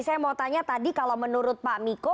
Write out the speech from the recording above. saya mau tanya tadi kalau menurut pak miko